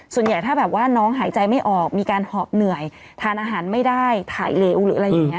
ส่วนใหญ่ถ้าแบบว่าน้องหายใจไม่ออกมีการหอบเหนื่อยทานอาหารไม่ได้ถ่ายเร็วหรืออะไรอย่างนี้